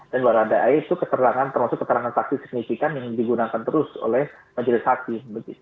dan baradae itu keterangan termasuk keterangan saksi signifikan yang digunakan terus oleh majelis hakin